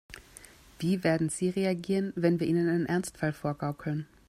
Wie werden sie reagieren, wenn wir ihnen einen Ernstfall vorgaukeln?